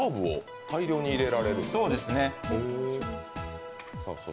結構、ハーブを大量に入れられる。